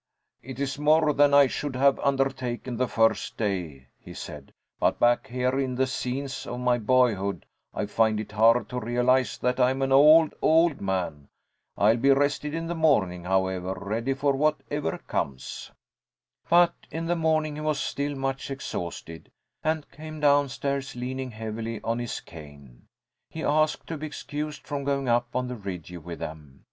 "It is more than I should have undertaken the first day," he said, "but back here in the scenes of my boyhood I find it hard to realise that I am an old, old man. I'll be rested in the morning, however, ready for whatever comes." But in the morning he was still much exhausted, and came down stairs leaning heavily on his cane. He asked to be excused from going up on the Rigi with them.